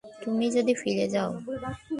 তুমি যদি ফিরে যাও।